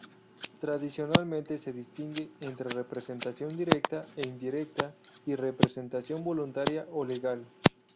Tradicionalmente se distingue entre representación directa e indirecta y representación voluntaria o legal.